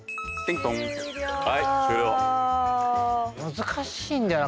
難しいんだよな